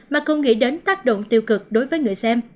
mà còn nghĩ đến tác động tiêu cực đối với người xem